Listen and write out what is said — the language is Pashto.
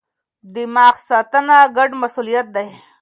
دماغ ساتنه ګډ مسئولیت دی.